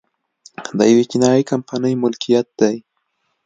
د یوې چینايي کمپنۍ ملکیت دی